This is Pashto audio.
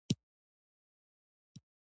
اوښ د افغانستان د انرژۍ سکتور برخه ده.